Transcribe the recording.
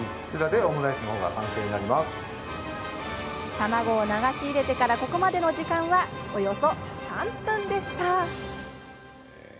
卵を流し入れてからここまでの時間はおよそ３分でした。